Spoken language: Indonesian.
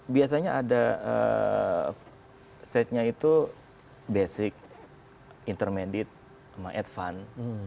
biasanya ada setnya itu basic intermediate sama advance